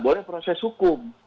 boleh proses hukum